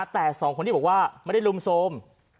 แต่สองคนที่บอกว่าไม่ได้ลุมโทรม